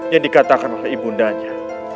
yang dikatakan oleh ibundanya